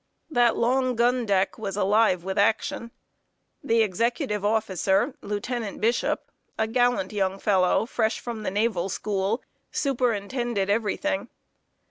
That long gun deck was alive with action. The executive officer, Lieutenant Bishop, a gallant young fellow, fresh from the naval school, superintended every thing.